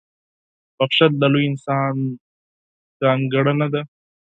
• بښل د لوی انسان ځانګړنه ده.